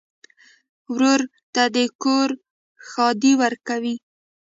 ورور ته د کور ښادي ورکوې.